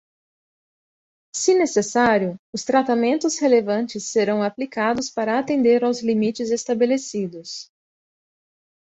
Se necessário, os tratamentos relevantes serão aplicados para atender aos limites estabelecidos.